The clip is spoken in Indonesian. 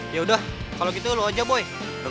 yaudah kalau gitu lo aja boy